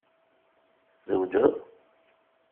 Tzewjeḍ?